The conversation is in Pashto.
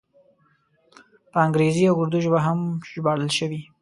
په انګریزي او اردو ژبو هم ژباړل شوی.